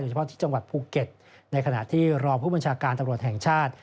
เฉพาะที่จังหวัดภูเก็ตในขณะที่รองผู้บัญชาการตำรวจแห่งชาติ